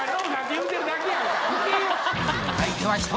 相手は１人！